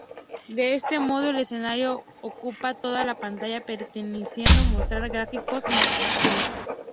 De este modo el escenario ocupa toda la pantalla permitiendo mostrar gráficos más atractivos.